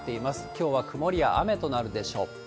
きょうは曇りや雨となるでしょう。